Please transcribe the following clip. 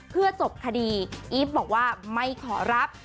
เพื่อจบคดีอีฟบอกว่าไม่ขอรับ